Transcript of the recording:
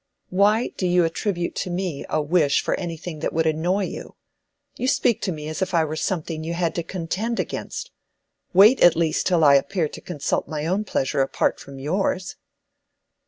"Why do you attribute to me a wish for anything that would annoy you? You speak to me as if I were something you had to contend against. Wait at least till I appear to consult my own pleasure apart from yours."